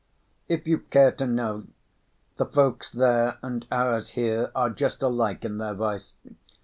"If you care to know, the folks there and ours here are just alike in their vice.